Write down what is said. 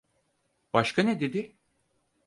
Başka ne dedi?